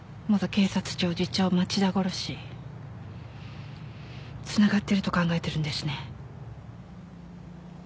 警察庁次長町田殺しつながってると考えてるんですね。